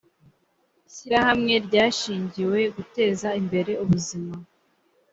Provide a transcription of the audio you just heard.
ishyirahamwe ryashingiwe guteza imbere ubuzima